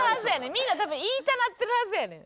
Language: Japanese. みんな多分言いたなってるはずやねん。